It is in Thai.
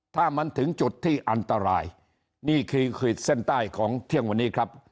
ถ้ามันถึงจุดที่อันตรายนี่คือขีดเส้นใต้ของเที่ยงวันนี้ครับ